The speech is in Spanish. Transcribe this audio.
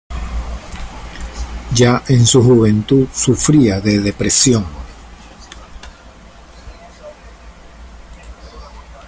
Ya en su juventud sufría de depresión.